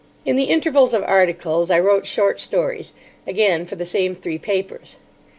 In the intervals of articles I wrote short stories, again for the same three papers.